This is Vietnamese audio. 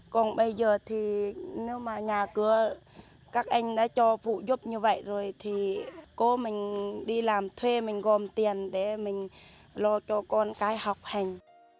còn bây giờ thì nếu mà nhà cửa các anh đã cho vụ giúp như vậy rồi thì cố mình đi làm thuê mình gom tiền để mình lo cho con cái học hành